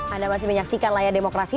anda masih menyaksikan layar demokrasi